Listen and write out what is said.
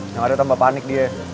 yang ada tambah panik dia